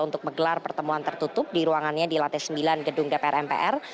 untuk menggelar pertemuan tertutup di ruangannya di lantai sembilan gedung dpr mpr